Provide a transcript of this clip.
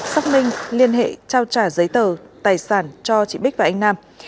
xác minh liên hệ trao trả giấy tờ tài sản cho chị bích và anh nam